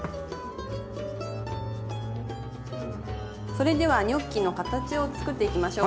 それではニョッキの形を作っていきましょう。